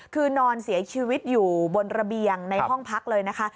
คือนอนเสียชีวิตอยู่บนระเบียงในห้องพักเลยนะคะ